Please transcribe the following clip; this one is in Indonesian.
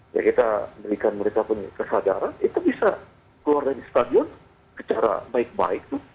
ya kita berikan mereka kesadaran itu bisa keluar dari stadion secara baik baik